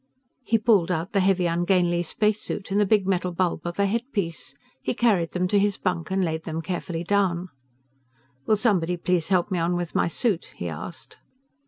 He pulled out the heavy, ungainly spacesuit and the big metal bulb of a headpiece. He carried them to his bunk and laid them carefully down. "Will somebody please help me on with my suit?" he asked.